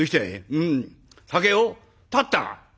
うん酒を断った？